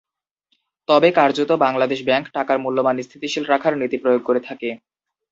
তবে কার্যত বাংলাদেশ ব্যাংক টাকার মূল্যমান স্থিতিশীল রাখার নীতি প্রয়োগ করে থাকে।